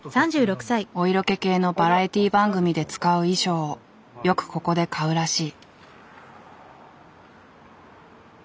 お色気系のバラエティー番組で使う衣装をよくここで買うらしい。